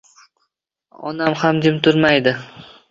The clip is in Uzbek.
Onam ham jim turmaydi